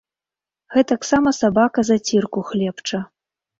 Гэтаксама сабака зацірку хлебча.